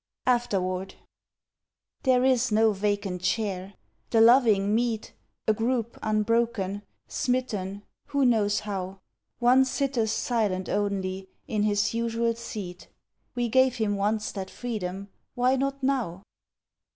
AFTERWARD. There is no vacant chair. The loving meet A group unbroken smitten, who knows how? One sitteth silent only, in his usual seat; We gave him once that freedom. Why not now?